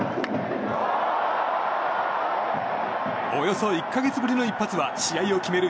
およそ１か月ぶりの一発は試合を決める